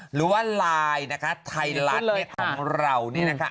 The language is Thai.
หรือว่าไลน์นะคะไทยรัฐของเรานี่นะคะ